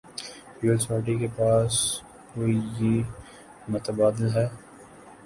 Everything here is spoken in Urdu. پیپلزپارٹی کے پاس کو ئی متبادل ہے؟